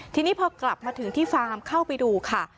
ทีนี้พอกลับมาถึงที่ฟาร์มเข้าไปดูค่ะ